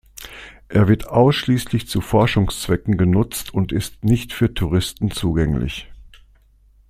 Er wird ausschließlich zu Forschungszwecken genutzt und ist nicht für Touristen zugänglich.